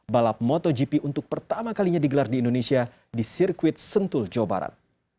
balap motogp untuk pertama kalinya digelar di indonesia di sirkuit sentul jawa barat